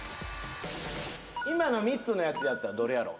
今の３つのやつやったらどれやろ？